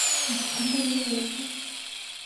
Estaba incluida en el Sexmo de San Juan.